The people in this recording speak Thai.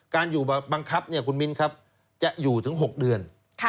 การอยู่บังคับคุณมิ้นครับจะอยู่ถึง๖เดือน